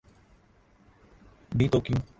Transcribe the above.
بھی تو کیوں؟